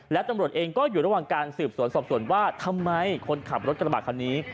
และตำรวจเองก็อยู่ระหว่างการสืบสวนสอบส่วนว่าทำไมคนขับรถกระบาดคันนี้